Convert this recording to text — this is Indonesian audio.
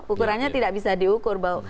ukurannya tidak bisa diukur